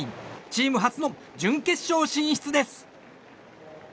チーム初の準決勝進出です。